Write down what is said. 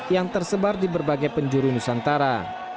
yang tersebar di berbagai penjuru nusantara